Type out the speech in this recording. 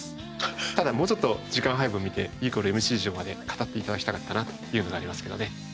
ただもうちょっと時間配分見てＥ＝ｍｃまで語って頂きたかったなというのがありますけどね。